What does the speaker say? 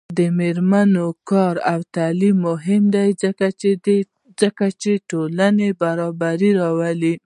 د میرمنو کار او تعلیم مهم دی ځکه چې ټولنې برابري راولي.